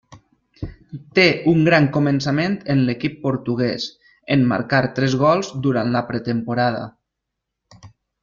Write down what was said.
Té un gran començament en l'equip portuguès, en marcar tres gols durant la pretemporada.